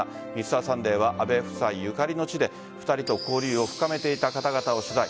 「Ｍｒ．サンデー」は安倍夫妻ゆかりの地で２人と交流を深めていた方々を取材。